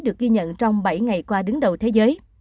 được ghi nhận trong bảy ngày qua đứng đầu thế giới